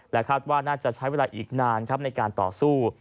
และครับว่าน่าจะใช้เวลาอีกนานในการต่อสู้